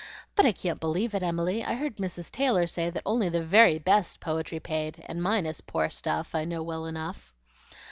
But I can't believe it, Emily. I heard Mrs. Taylor say that only the VERY BEST poetry paid, and mine is poor stuff, I know well enough."